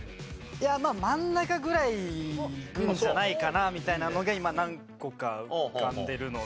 いやまあ真ん中ぐらいいくんじゃないかなみたいなのが今何個か浮かんでるので。